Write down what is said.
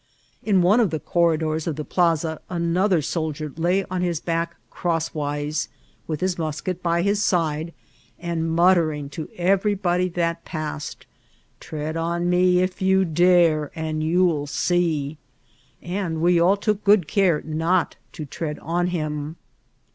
In one of the oonidors ci the ^laaa aaother soldier lay on his back carosiswise, with his musket by his side, and muttering to ererybody that passed, '* Tread on me if you dare, and you'll see !'' and we all tmA good care not to tread on hun.